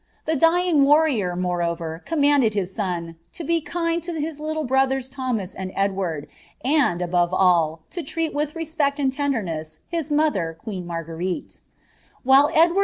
The dying wamof, moreover, commanded his son "lobe kind lohis little brothera Thoow and Edward, and, abore all, lo treat with respect and tenderiKM b mother, queen Margneriie," While Edward 1.